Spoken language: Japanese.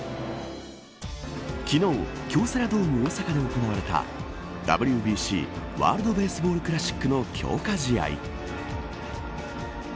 昨日、京セラドーム大阪で行われたＷＢＣ、ワールド・ベースボール・クラシックの強化試合。